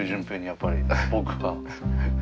やっぱり僕は。